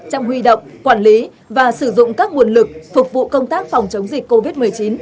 trong huy động quản lý và sử dụng các nguồn lực phục vụ công tác phòng chống dịch covid một mươi chín